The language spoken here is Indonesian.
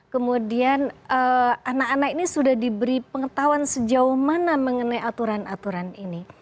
kemudian anak anak ini sudah diberi pengetahuan sejauh mana mengenai aturan aturan ini